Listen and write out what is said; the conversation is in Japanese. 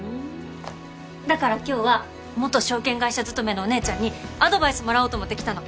だから今日は元証券会社勤めのお姉ちゃんにアドバイスもらおうと思って来たの。